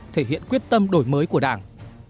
thể hiện quyết tâm đổi mới của đảng